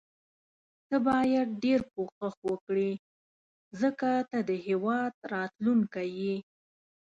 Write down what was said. ته باید ډیر کوښښ وکړي ځکه ته د هیواد راتلوونکی یې.